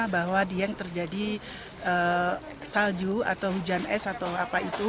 bahwa dieng terjadi salju atau hujan es atau apa itu